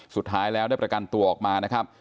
สุดท้ายแล้วได้ประกันตัวออกมานะครับ